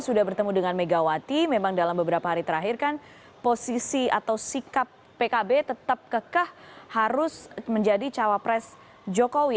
sudah bertemu dengan megawati memang dalam beberapa hari terakhir kan posisi atau sikap pkb tetap kekah harus menjadi cawapres jokowi